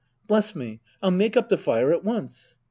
Bless me — I'll make up the fire at once.